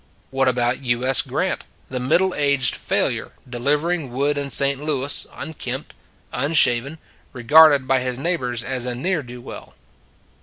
What about U. S. Grant, the middle aged failure, delivering wood in St. Louis unkempt, unshaven, regarded by his neighbors as a ne er do well?